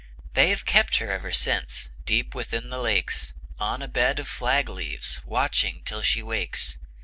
They have kept her ever since Deep within the lakes, On a bed of flag leaves Watching till she wakes.